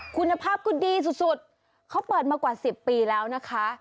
คุณภาพก็ดีสุดเขาเปิดมากว่า๑๐ปีแล้วนะคะ